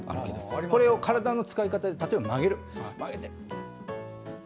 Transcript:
これを体の使い方で例えば曲げる。